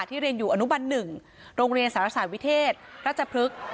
ที่เรียนอยู่อนุบันหนึ่งโรงเรียนสารสารวิเทศรัชพฤกษ์